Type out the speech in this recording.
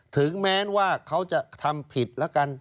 ถึงแม้ว่าเขาจะทำผิดแล้วกัน